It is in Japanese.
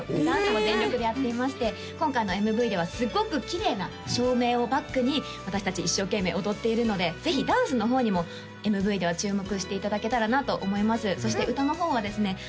ダンスも全力でやっていまして今回のＭＶではすごくきれいな照明をバックに私達一生懸命踊っているのでぜひダンスの方にもＭＶでは注目していただけたらなと思いますそして歌の方はですね